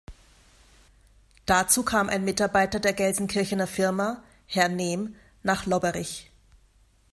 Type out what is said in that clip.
Dazu kam ein Mitarbeiter der Gelsenkirchener Firma, Herr Nehm, nach Lobberich.